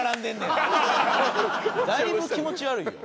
だいぶ気持ち悪いよ。